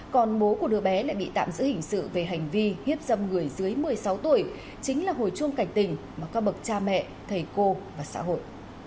còn bố của đứa bé lại bị tạm giữ hình sự về hành vi hiếp dâm người dưới một mươi sáu tuổi chính là hồi chuông cảnh tình mà các bậc cha mẹ thầy cô và xã hội